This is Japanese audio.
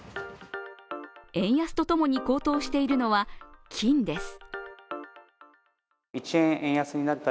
円安と共に高騰しているのは金です。